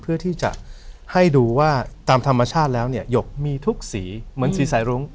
เพื่อที่จะให้ดูว่าตามธรรมชาติแล้วเนี่ยหยกมีทุกสีเหมือนสีสายรุ้ง